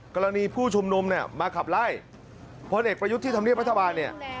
กรณีผู้ชุมนุมเนี่ยมาขับไล่พลเอกประยุทธ์ที่ทำเรียบรัฐบาลเนี่ย